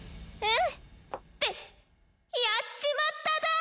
ってやっちまっただ！